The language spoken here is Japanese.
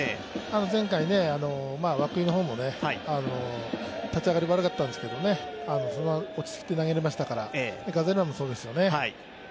前回、涌井の方も立ち上がり悪かったんですけどそのまま落ち着いて投げられましたから、ガゼルマンもそうですよね